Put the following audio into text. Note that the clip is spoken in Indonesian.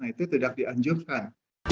nah itu tidak dianjurkan